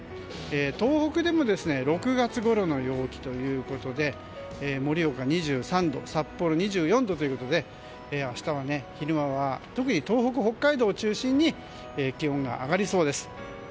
東北でも６月ごろの陽気で盛岡、２３度札幌、２４度ということで明日の昼間は特に東北、北海道を中心に気温が上がりそうです。